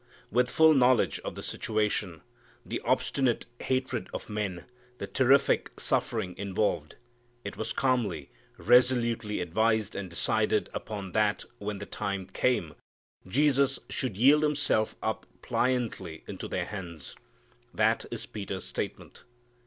With full knowledge of the situation, the obstinate hatred of men, the terrific suffering involved, it was calmly, resolutely advised and decided upon that when the time came Jesus should yield Himself up pliantly into their hands. That is Peter's statement.